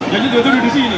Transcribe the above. jangan jatuh di sini